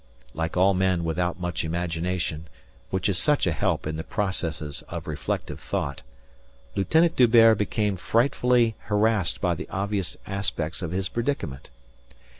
Like all men without much imagination, which is such a help in the processes of reflective thought, Lieutenant D'Hubert became frightfully harassed by the obvious aspects of his predicament.